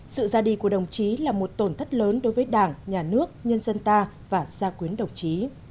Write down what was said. sự ra đi của đồng chí là một tổn thất lớn đối với đảng nhà nước nhân dân ta và gia quyến đồng chí